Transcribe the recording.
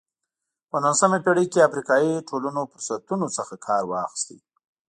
په نولسمه پېړۍ کې افریقایي ټولنو فرصتونو څخه کار واخیست.